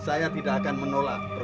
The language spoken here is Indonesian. ayah udah lah